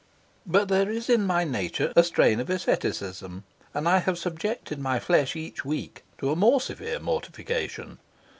But there is in my nature a strain of asceticism, and I have subjected my flesh each week to a more severe mortification.